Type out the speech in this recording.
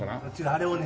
あれをね